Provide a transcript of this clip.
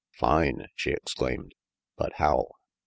"Fine!" she exclaimed. "But how?"